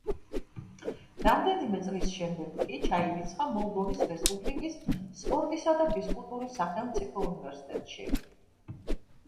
რამდენიმე წლის შემდეგ კი ჩაირიცხა მოლდოვის რესპუბლიკის სპორტისა და ფიზკულტურის სახელმწიფო უნივერსიტეტში.